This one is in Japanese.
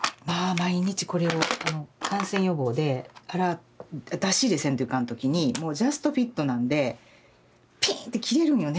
毎日これを感染予防で出し入れせんといかん時にジャストフィットなんでピーンって切れるんよね。